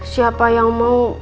siapa yang mau